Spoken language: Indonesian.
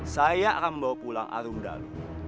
saya akan membawa pulang arum dalu